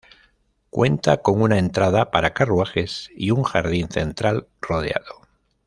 Cuenta con una entrada para carruajes y un jardín central rodeado.